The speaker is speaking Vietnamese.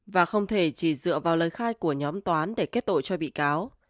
và không thể chỉ dựa vào lời khai của nhóm toán để kết tội cho bị cáo